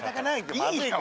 いいよ。